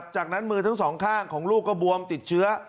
จากนั้นมือทั้งสองข้างของลูกก็บวมติดเชื้อ